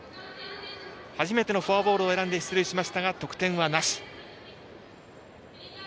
初めてのフォアボールを選んで出塁しましたが得点はなし。